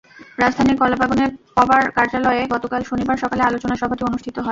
রাজধানীর কলাবাগানে পবার কার্যালয়ে গতকাল শনিবার সকালে আলোচনা সভাটি অনুষ্ঠিত হয়।